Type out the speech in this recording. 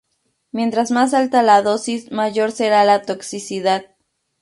Mientras más alta la dosis, mayor será la toxicidad.